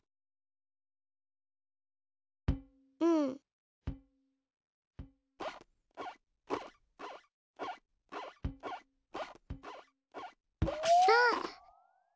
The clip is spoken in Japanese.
うん。あっ！